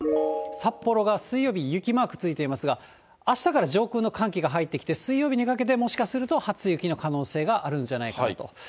札幌が水曜日、雪マークついていますが、あしたから上空の寒気が入ってきて、水曜日にかけてもしかすると初雪の可能性があるんじゃないかなと。